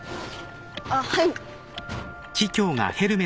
あっはい。